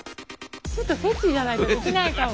ちょっとフェチじゃないとできないかも。